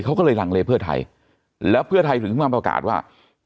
เขาก็เลยลังเลเพื่อไทยแล้วเพื่อไทยถึงมาประกาศว่า